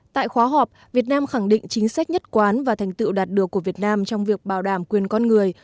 tại khóa họp việt nam khẳng định chính sách nhất quán và thành tựu đạt được của việt nam trong việc bảo đảm quyền con người